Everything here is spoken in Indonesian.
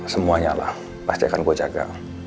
semuanya lah pasti akan gue jaga